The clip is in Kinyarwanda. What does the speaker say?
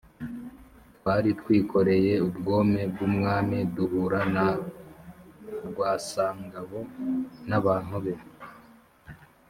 Twari twikoreye ubwome bw' umwami, duhura na Rwasangabo n' abantu be